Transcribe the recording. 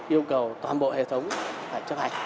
yêu cầu toàn bộ hệ thống phải chấp hành